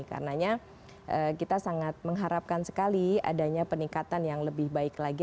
karenanya kita sangat mengharapkan sekali adanya peningkatan yang lebih baik lagi